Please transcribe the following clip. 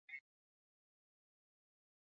wachache wa kusafiri karibu na mkoa mwingine